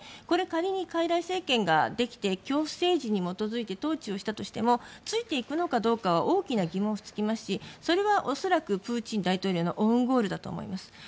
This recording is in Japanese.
これ、仮に傀儡政権ができて恐怖政治に基づいて統治をしたとしてもついていくのかどうかは大きな疑問符がつきますしそれは恐らくプーチン大統領のオウンゴールだと思います。